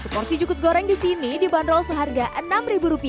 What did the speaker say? sekorsi jukut goreng disini dibanderol seharga rp